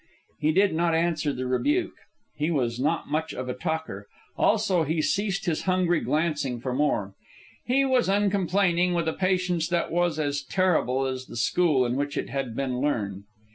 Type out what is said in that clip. He did not answer the rebuke. He was not much of a talker. Also, he ceased his hungry glancing for more. He was uncomplaining, with a patience that was as terrible as the school in which it had been learned.